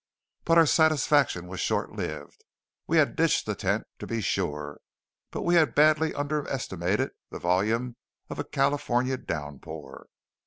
But our satisfaction was short lived. We had ditched the tent, to be sure, but we had badly underestimated the volume of a California downpour.